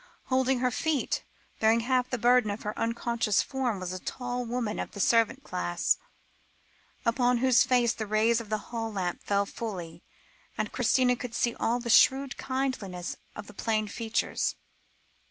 Holding her feet, bearing half the burden of her unconscious form, was a tall woman of the servant class, upon whose face the rays of the hall lamps fell fully, and Christina could see all the shrewd kindliness of the plain features.